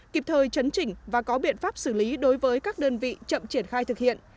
kịp thời chấn chỉnh và có biện pháp xử lý đối với các đơn vị chậm triển khai thực hiện